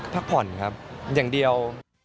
พักผ่อนครับอย่างเดียว